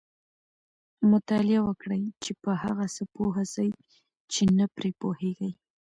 مطالعه وکړئ! چي په هغه څه پوه سئ، چي نه پرې پوهېږئ.